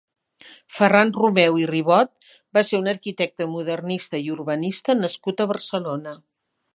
Ferran Romeu i Ribot va ser un arquitecte modernista i urbanista nascut a Barcelona.